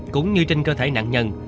cũng như trên cơ thể nạn nhân